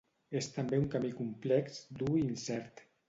És també un camí complex, dur i incert.